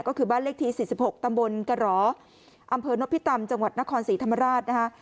ก็คือบ้านเลขที่๔๖ตำบลกระหรออำเภอนพิตำจังหวัดนครศรีธรรมราชนะคะ